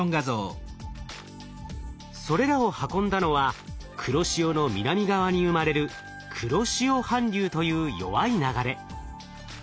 それらを運んだのは黒潮の南側に生まれる黒潮反流という弱い流れ。